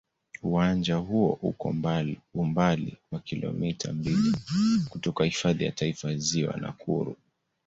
Uwanja huo uko umbali wa kilomita mbili kutoka Hifadhi ya Taifa ya Ziwa Nakuru.